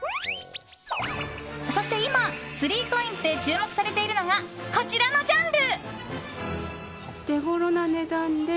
そして今、スリーコインズで注目されているのがこちらのジャンル！